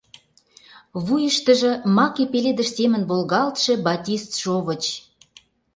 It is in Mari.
Вуйыштыжо маке пеледыш семын волгалтше батист шовыч.